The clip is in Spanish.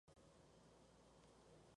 Vanguardia Española.